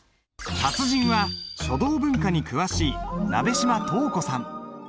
達人は書道文化に詳しい鍋島稲子さん。